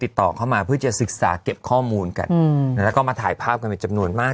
ติดต่อเข้ามาเพื่อจะศึกษาเก็บข้อมูลกันแล้วก็มาถ่ายภาพกันเป็นจำนวนมาก